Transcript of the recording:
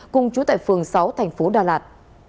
cùng chú tại phường sáu thành phố đà lạt